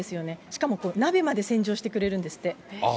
しかも鍋まで洗浄してくれるんですって。